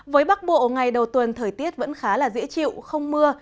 với bắc bộ ngày đầu tuần thời tiết vẫn khá là dễ chịu không mưa